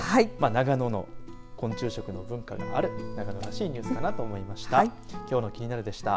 長野の昆虫食の文化がある長野らしいニュースかなと思いました。